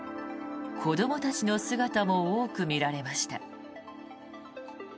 子どもたちの姿も多く見られました。